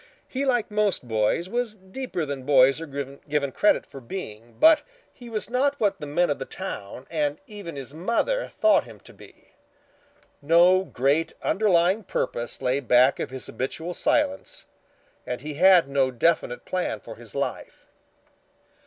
He, like most boys, was deeper than boys are given credit for being, but he was not what the men of the town, and even his mother, thought him to be. No great underlying purpose lay back of his habitual silence, and he had no definite plan for his life.